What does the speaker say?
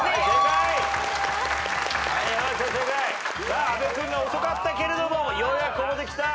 さあ阿部君が遅かったけれどもようやくここできた。